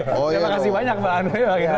terima kasih banyak mbak andri mbak indra